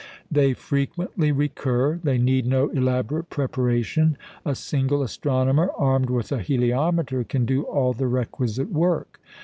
They frequently recur; they need no elaborate preparation; a single astronomer armed with a heliometer can do all the requisite work.